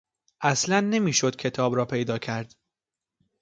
اصلا نمیشد کتاب را پیدا کرد.